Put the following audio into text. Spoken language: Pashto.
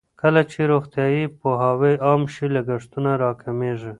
کله چې روغتیايي پوهاوی عام شي، لګښتونه راکمېږي.